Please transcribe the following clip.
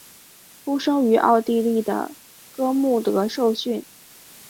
出生于奥地利的哥穆德受训。